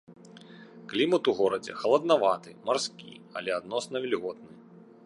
Клімат у горадзе халаднаваты, марскі, але адносна вільготны.